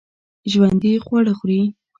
ژوندي خواړه خوري